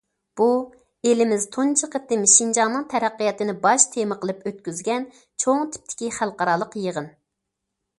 بۇ، ئېلىمىز تۇنجى قېتىم شىنجاڭنىڭ تەرەققىياتىنى باش تېما قىلىپ ئۆتكۈزگەن چوڭ تىپتىكى خەلقئارالىق يىغىن.